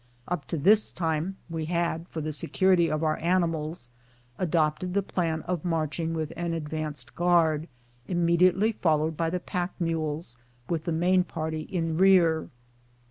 Up to this time we had, for the security of our animals, adopted the plan of marching with an advanced guard, im mediately followed by the pack mules, with the main party in rear.